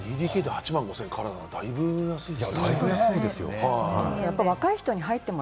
２ＤＫが８万５０００円からって、だいぶ安いですね。